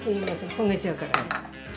焦げちゃうから。